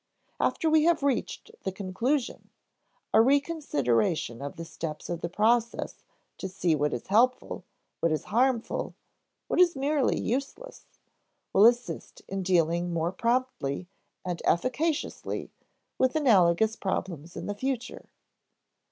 After we have reached the conclusion, a reconsideration of the steps of the process to see what is helpful, what is harmful, what is merely useless, will assist in dealing more promptly and efficaciously with analogous problems in the future.